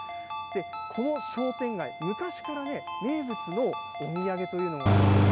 この商店街、昔から名物のお土産というのがあるんです。